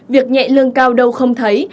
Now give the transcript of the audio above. việc nhẹ lương cao đâu không thấy